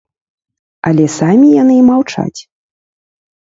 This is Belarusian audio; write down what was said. Але самі яны маўчаць.